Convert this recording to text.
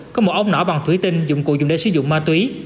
có một ống nỏ bằng thủy tinh dụng cụ dùng để sử dụng ma túy